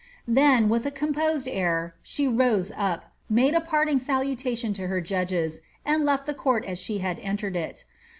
Then, with a composed air, she rose up, made a part ing salutation to her judges, and left the court as she bad entered it.